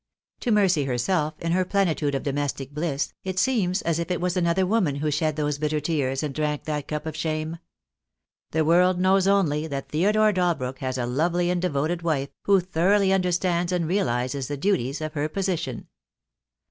To Mercy herself, in her plenitude of domestic bliss, it seems as if it was 2Q4 THE DAY WILL COME. another woman who shed those bitter tears and drank that cup of shame. The world knows only that Theodore Dalbrook has a lovely and devoted wife, who thoroughly understands and realises the duties of her position.